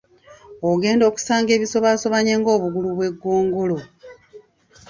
Ogenda okusanga ebisobaasobanye ng’obugulu bw’eggongolo.